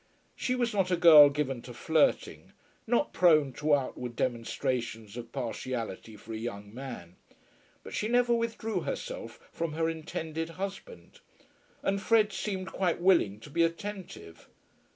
She was not a girl given to flirting, not prone to outward demonstrations of partiality for a young man; but she never withdrew herself from her intended husband, and Fred seemed quite willing to be attentive.